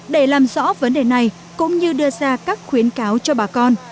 để làm rõ vấn đề này cũng như đưa ra các khuyến cáo cho bà con